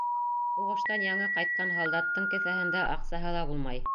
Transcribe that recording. Һуғыштан яңы ҡайтҡан һалдаттың кеҫәһендә аҡсаһы ла булмай.